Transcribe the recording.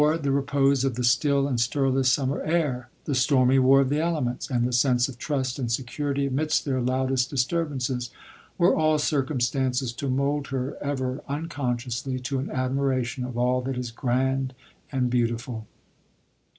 the repose of the still, and stirless summer air, the stormy war of the elements, and the sense of trust and security amidst their loudest disturbances, were all circumstances to mould her even unconsciously to an admiration of all that is grand and beautiful.